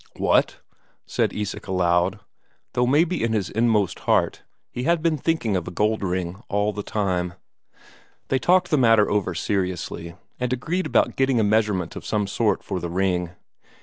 "What!" said Isak aloud. Though maybe in his inmost heart he had been thinking of a gold ring all the time. They talked the matter over seriously, and agreed about getting a measurement of some sort for the ring.